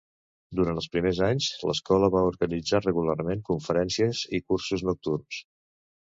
Durant els primers anys, l'escola va organitzar regularment conferències i cursos nocturns.